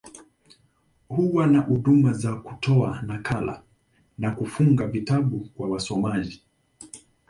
Huwa na huduma za kutoa nakala, na kufunga vitabu kwa wasomaji.